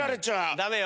ダメよ。